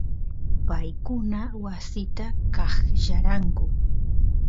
paykuna wasita aqllaranku